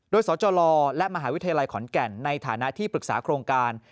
โดยสจและมหาวิทยาลัยขอนแก่นในฐานะที่ปรึกษาโครงการ